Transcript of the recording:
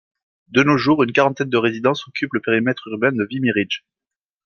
De nos jours, une quarantaine de résidences occupent le périmètre urbain de Vimy-Ridge.